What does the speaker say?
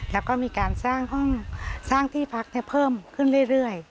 แล้วก็มีการสร้างห้องสร้างที่พักเพิ่มขึ้นเรื่อย